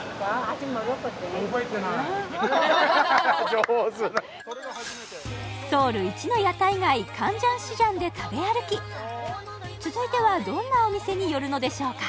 上手ソウル１の屋台街広蔵市場で食べ歩き続いてはどんなお店に寄るのでしょうか？